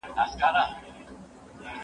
هغه وويل چي مکتب مهم دی!!